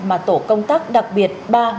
mà tổ công tác đặc biệt ba trăm một mươi bốn